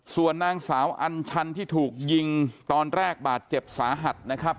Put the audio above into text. ส่วนนางสาวอัญชันที่ถูกยิงตอนแรกบาดเจ็บสาหัสนะครับ